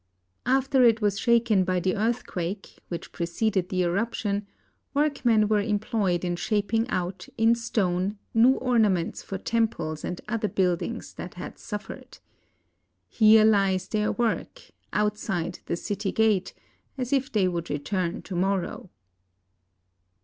After it was shaken by the earthquake, which pre ceded the eruption, workmen were employed in shaping out, in stone, new ornaments for temples and other buildings that had suffered. Here lies their work, outside the city gate, as if they would return to morrow.